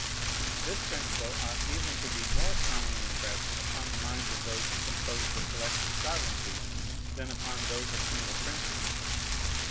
This principle ought even to be more strongly impressed upon the minds of those who compose the collective sovereignty than upon those of single princes.